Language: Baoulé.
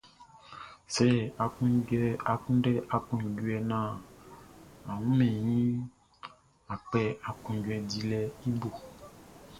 Sɛ a kunndɛ aklunjuɛ naan a wunmɛn iʼn, a kpɛ aklunjuɛ dilɛʼn i bo.